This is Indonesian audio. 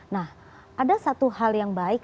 nah ada satu hal yang baik